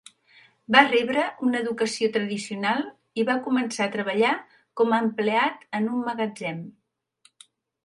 Va rebre una educació tradicional i va començar a treballar com a empleat en un magatzem.